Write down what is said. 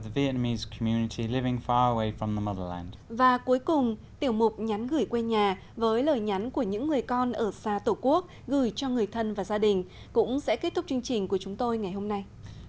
và cuối cùng tiểu mục nhắn gửi quê nhà với lời nhắn của những người con ở xa tổ quốc gửi cho người thân và gia đình cũng sẽ kết thúc chương trình của chúng tôi ngày hôm nay